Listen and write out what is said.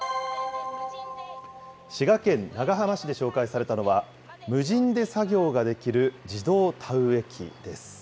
滋賀県長浜市で紹介されたのは、無人で作業ができる自動田植え機です。